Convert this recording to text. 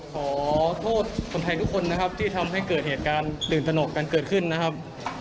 ขอโทษคนไทยทุกคนนะครับที่ทำให้เกิดเหตุการณ์ตื่นตนกกันเกิดขึ้นนะครับ